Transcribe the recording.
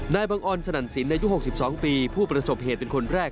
บังออนสนั่นสินอายุ๖๒ปีผู้ประสบเหตุเป็นคนแรก